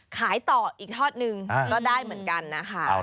ขายต่ออีกทอดหนึ่งก็ได้เหมือนกันนะคะ